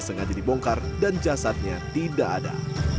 sengaja dibongkar dan jasadnya tidak ada